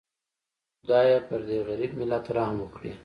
خدایه پدې غریب ملت رحم وکړي